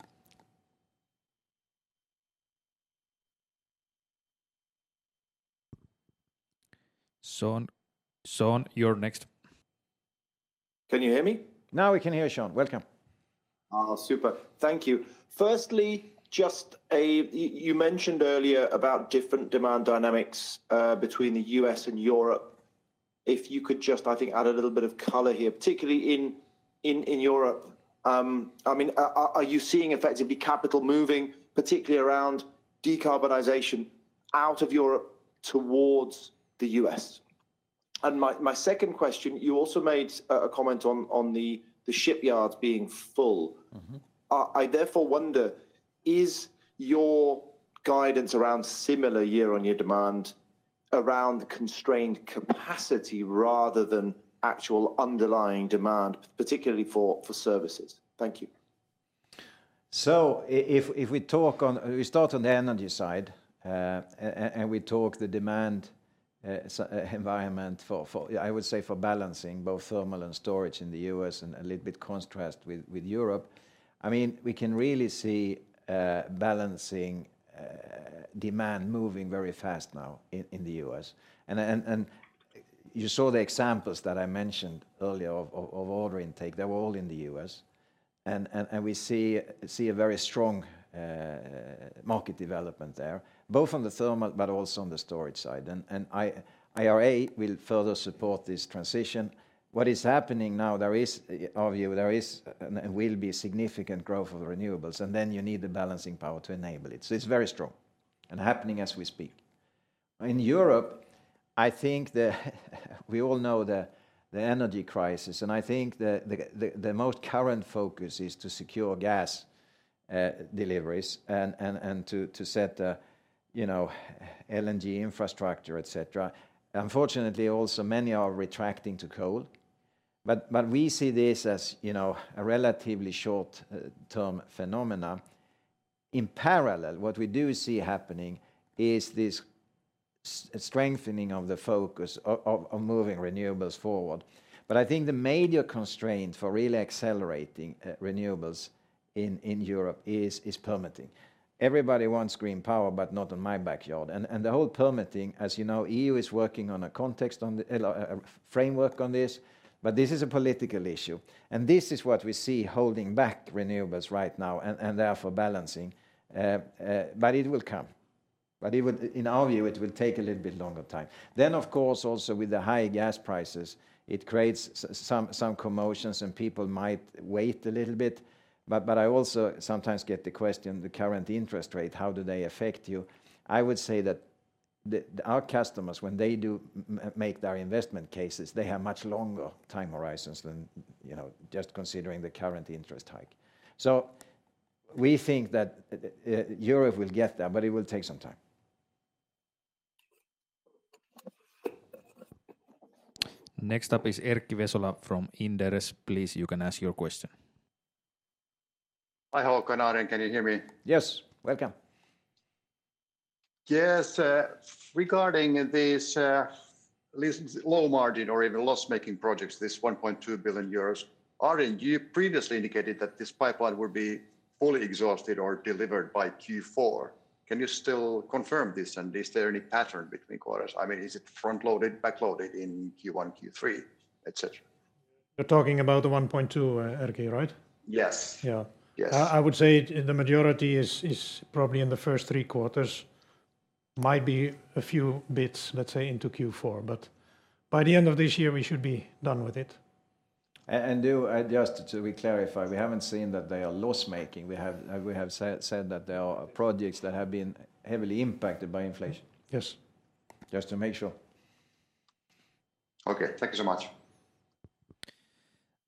Speaker 4: Sean, you're next.
Speaker 15: Can you hear me?
Speaker 4: Now we can hear you, Sean. Welcome.
Speaker 15: Oh, super. Thank you. Firstly, just, you mentioned earlier about different demand dynamics between the US and Europe. If you could just, I think, add a little bit of color here, particularly in Europe. I mean, are you seeing effectively capital moving, particularly around decarbonization out of Europe towards the US? My second question, you also made a comment on the shipyards being full.
Speaker 2: Mm-hmm.
Speaker 15: I therefore wonder, is your guidance around similar year-over-year demand around constrained capacity rather than actual underlying demand, particularly for services? Thank you.
Speaker 2: If we talk on, we start on the energy side, and we talk the demand environment for, I would say for balancing both thermal and storage in the U.S. and a little bit contrast with Europe. I mean, we can really see balancing demand moving very fast now in the U.S. You saw the examples that I mentioned earlier of order intake. They were all in the U.S., and we see a very strong market development there, both on the thermal but also on the storage side. IRA will further support this transition. What is happening now, there is, obviously there is and will be significant growth of renewables, and then you need the balancing power to enable it. It's very strong and happening as we speak. In Europe, I think we all know the energy crisis, and I think the most current focus is to secure gas deliveries and to set the, you know, LNG infrastructure, et cetera. Unfortunately, also many are retracting to coal. We see this as, you know, a relatively short-term phenomena. In parallel, what we do see happening is this strengthening of the focus of moving renewables forward. I think the major constraint for really accelerating renewables in Europe is permitting. Everybody wants green power, but not in my backyard. The whole permitting, as you know, EU is working on a context on the framework on this, but this is a political issue. This is what we see holding back renewables right now and therefore balancing. It will come. In our view, it will take a little bit longer time. Of course also with the high gas prices, it creates some commotions and people might wait a little bit. I also sometimes get the question, the current interest rate, how do they affect you? I would say that our customers when they make their investment cases, they have much longer time horizons than, you know, just considering the current interest hike. We think that Europe will get there, but it will take some time.
Speaker 4: Next up is Erkki Vesola from Inderes. Please, you can ask your question.
Speaker 16: Hi, Håkan, Arjen, can you hear me?
Speaker 2: Yes. Welcome.
Speaker 16: Regarding this low margin or even loss-making projects, this 1.2 billion euros, Arin, you previously indicated that this pipeline would be fully exhausted or delivered by Q4. Can you still confirm this? Is there any pattern between quarters? I mean, is it front-loaded, back-loaded in Q1, Q3, et cetera?
Speaker 3: You're talking about the 1.2, Erkki, right?
Speaker 16: Yes.
Speaker 3: Yeah.
Speaker 16: Yes.
Speaker 3: I would say the majority is probably in the first three quarters. Might be a few bits, let's say, into Q4. By the end of this year, we should be done with it.
Speaker 2: Just to be clarified, we haven't seen that they are loss-making. We have said that there are projects that have been heavily impacted by inflation.
Speaker 3: Yes.
Speaker 2: Just to make sure.
Speaker 16: Okay. Thank you so much.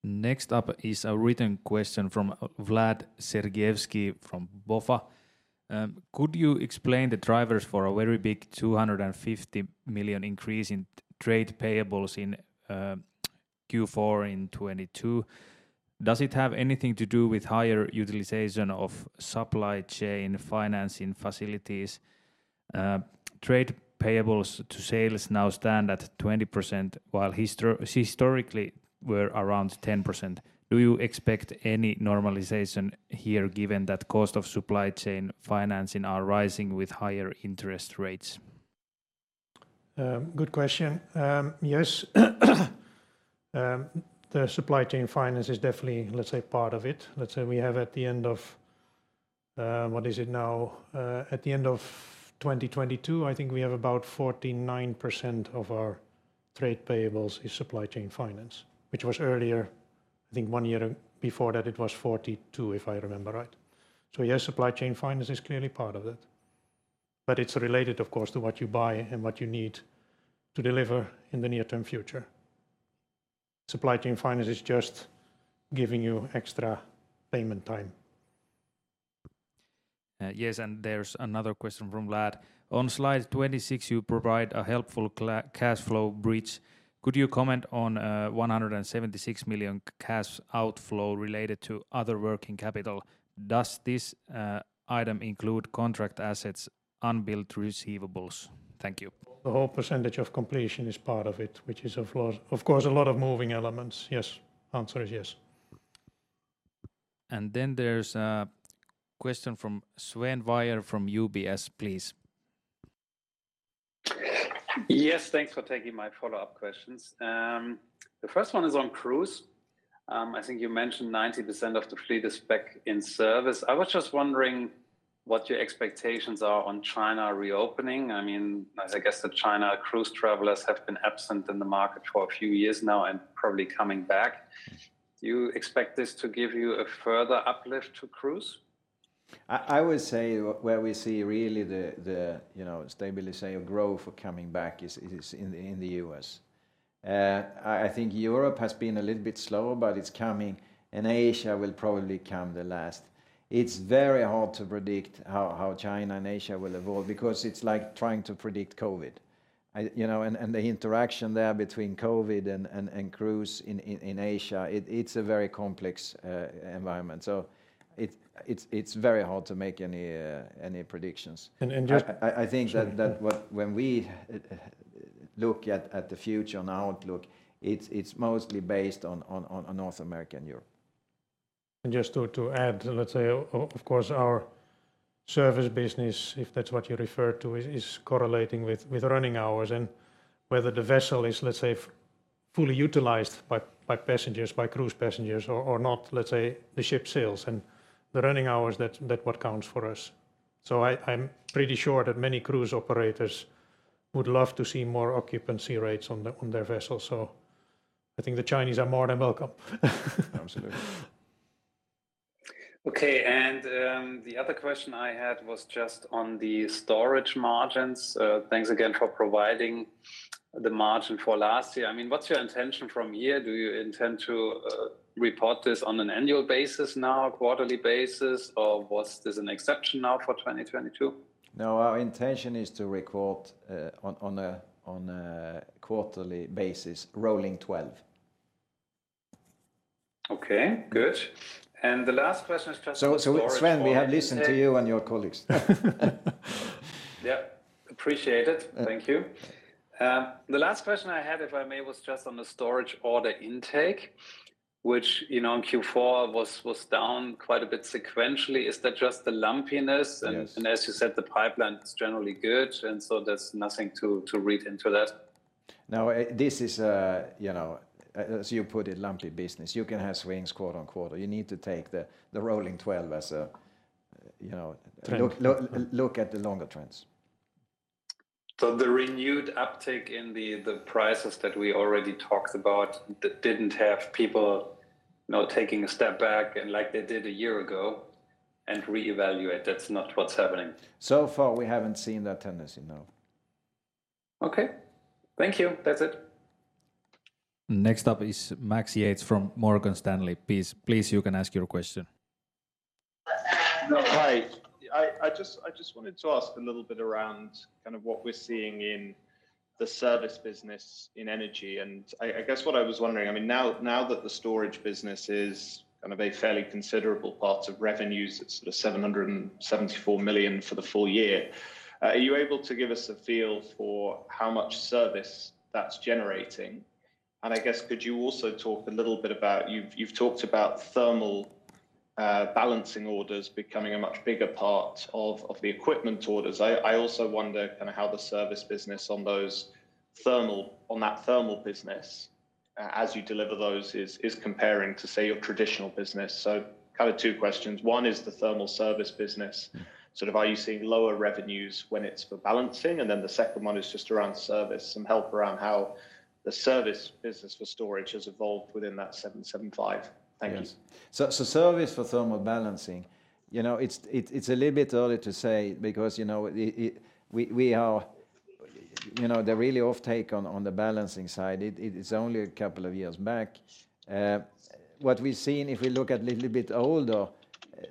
Speaker 4: Next up is a written question from Vlad Sergievskii from BofA. Could you explain the drivers for a very big 250 million increase in trade payables in Q4 2022? Does it have anything to do with higher utilization of supply chain financing facilities? Trade payables to sales now stand at 20% while historically were around 10%. Do you expect any normalization here given that cost of supply chain financing are rising with higher interest rates?
Speaker 3: Good question. Yes. The supply chain finance is definitely, let's say, part of it. Let's say we have at the end of what is it now? At the end of 2022, I think we have about 49% of our trade payables is supply chain finance, which was earlier, I think one year before that it was 42, if I remember right. Yes, supply chain finance is clearly part of it. It's related, of course, to what you buy and what you need to deliver in the near-term future. Supply chain finance is just giving you extra payment time.
Speaker 4: Yes, and there's another question from Vlad. On slide 26, you provide a helpful cash flow bridge. Could you comment on 176 million cash outflow related to other working capital? Does this item include contract assets, unbilled receivables? Thank you.
Speaker 3: The whole percentage-of-completion is part of it, which is of course, a lot of moving elements. Yes. Answer is yes.
Speaker 4: Then there's a question from Sven Weier from UBS, please.
Speaker 9: Yes. Thanks for taking my follow-up questions. The first one is on cruise. I think you mentioned 90% of the fleet is back in service. I was just wondering what your expectations are on China reopening. I mean, as I guess the China cruise travelers have been absent in the market for a few years now and probably coming back. Do you expect this to give you a further uplift to cruise?
Speaker 2: I would say where we see really the, you know, stabilizing of growth coming back is in the U.S. I think Europe has been a little bit slower, but it's coming, and Asia will probably come the last. It's very hard to predict how China and Asia will evolve because it's like trying to predict COVID. I, you know. The interaction there between COVID and cruise in Asia, it's a very complex environment. It's very hard to make any predictions.
Speaker 3: And, and just-
Speaker 2: I think.
Speaker 3: Sorry...
Speaker 2: that when we look at the future and outlook, it's mostly based on North America and Europe.
Speaker 3: Just to add, let's say, of course our service business, if that's what you refer to, is correlating with running hours and whether the vessel is, let's say, fully utilized by passengers, by cruise passengers or not, let's say, the ship sails. The running hours, that's what counts for us. I'm pretty sure that many cruise operators would love to see more occupancy rates on their vessels, so I think the Chinese are more than welcome.
Speaker 2: Absolutely.
Speaker 9: Okay. The other question I had was just on the storage margins. Thanks again for providing the margin for last year. I mean, what's your intention from here? Do you intend to report this on an annual basis now, quarterly basis, or was this an exception now for 2022?
Speaker 2: No, our intention is to record, on a quarterly basis, rolling twelve.
Speaker 9: Okay, good. The last question is just for storage order intake.
Speaker 2: Sven, we have listened to you and your colleagues.
Speaker 9: Yep, appreciate it.
Speaker 2: Yeah.
Speaker 9: Thank you. The last question I had, if I may, was just on the storage order intake, which, you know, in Q4 was down quite a bit sequentially. Is that just the lumpiness?
Speaker 2: Yes.
Speaker 9: As you said, the pipeline is generally good, and so there's nothing to read into that?
Speaker 2: No, this is a, you know, as you put it, lumpy business. You can have swings quote on quote. You need to take the rolling 12 as a, you know.
Speaker 3: Trend
Speaker 2: Look at the longer trends.
Speaker 9: The renewed uptake in the prices that we already talked about that didn't have people, you know, taking a step back and like they did a year ago and reevaluate. That's not what's happening?
Speaker 2: Far we haven't seen that tendency, no.
Speaker 9: Okay. Thank you. That's it.
Speaker 4: Next up is Max Yates from Morgan Stanley. Please, you can ask your question.
Speaker 6: No, hi. I just wanted to ask a little bit around kind of what we're seeing in the service business in energy. I guess what I was wondering, I mean, now that the storage business is kind of a fairly considerable part of revenues, it's sort of 774 million for the full year, are you able to give us a feel for how much service that's generating? I guess could you also talk a little bit about, you've talked about thermal balancing orders becoming a much bigger part of the equipment orders. I also wonder kind of how the service business on that thermal business, as you deliver those is comparing to, say, your traditional business. Kind of two questions. One is the thermal service business, sort of are you seeing lower revenues when it's for balancing? Then the second one is just around service, some help around how the service business for storage has evolved within that 775? Thank you.
Speaker 2: Yes. Service for thermal balancing, you know, it's a little bit early to say because, you know, we are, you know, the really off-take on the balancing side. It is only a couple of years back. What we've seen, if we look at little bit older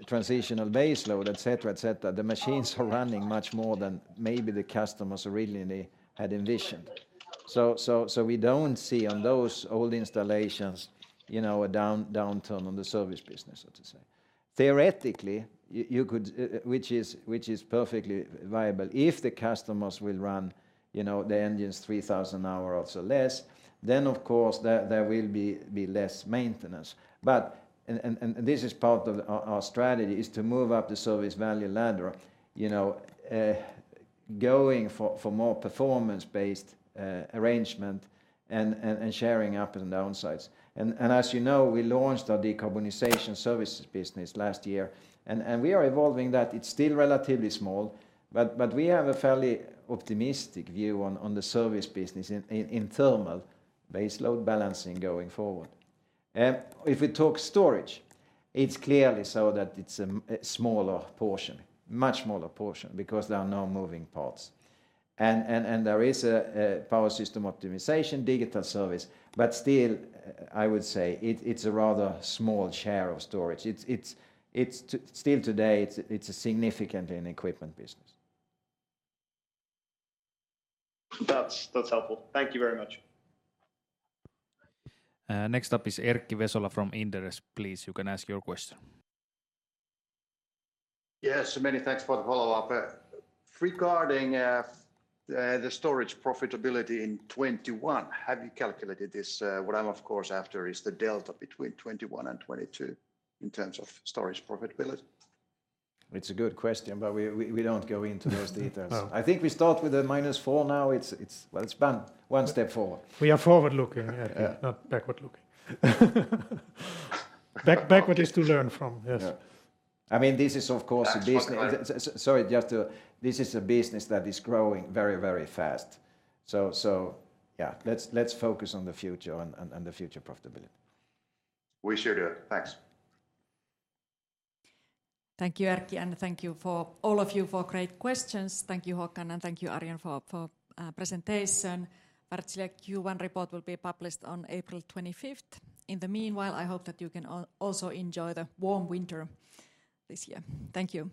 Speaker 2: transitional base load, et cetera, et cetera, the machines are running much more than maybe the customers originally had envisioned. So we don't see on those old installations, you know, a downturn on the service business, so to say. Theoretically, you could, which is perfectly viable, if the customers will run, you know, the engines 3,000 an hour or so less, then of course there will be less maintenance. And this is part of our strategy is to move up the service value ladder, you know, going for more performance-based arrangement and sharing up and down sides. As you know, we launched our Decarbonisation Services business last year and we are evolving that. It's still relatively small, but we have a fairly optimistic view on the service business in thermal base load balancing going forward. If we talk storage, it's clearly so that it's a smaller portion, much smaller portion because there are no moving parts and there is a power system optimization digital service, but still I would say it's a rather small share of storage. It's still today it's a significantly an equipment business.
Speaker 6: That's helpful. Thank you very much.
Speaker 4: Next up is Erkki Vesola from Inderes. Please, you can ask your question.
Speaker 16: Yes, many thanks for the follow-up. Regarding the storage profitability in 2021, have you calculated this? What I'm of course after is the delta between 2021 and 2022 in terms of storage profitability.
Speaker 2: It's a good question, we don't go into those details.
Speaker 16: Well-
Speaker 2: I think we start with a -4 now. It's, well, it's been one step forward. We are forward-looking.
Speaker 16: Yeah
Speaker 2: not backward-looking. backward is to learn from. Yes. Yeah. I mean, this is of course a business-
Speaker 16: That's what I-.
Speaker 2: Sorry. This is a business that is growing very, very fast. Yeah, let's focus on the future and the future profitability.
Speaker 16: We sure do. Thanks.
Speaker 1: Thank you, Erkki, and thank you for all of you for great questions. Thank you, Håkan, and thank you, Arjen, for presentation. Wärtsilä Q1 report will be published on April 25th. In the meanwhile, I hope that you can also enjoy the warm winter this year. Thank you.